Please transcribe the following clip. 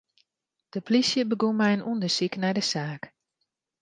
De polysje begûn mei in ûndersyk nei de saak.